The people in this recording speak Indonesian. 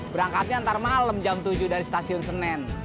berangkatnya antar malem jam tujuh dari stasiun senen